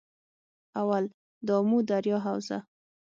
اول- دآمو دریا حوزه